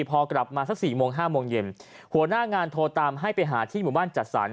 พอกลับมาสัก๔โมง๕โมงเย็นหัวหน้างานโทรตามให้ไปหาที่หมู่บ้านจัดสรร